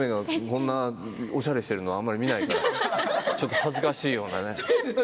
こんなにおしゃれしているのを見ないからちょっと恥ずかしいようなね。